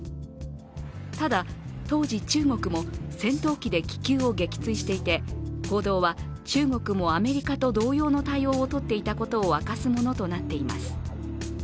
ただ当時、中国も戦闘機で気球を撃墜していて報道は、中国もアメリカと同様の対応を取っていたことを明かすものとなっています。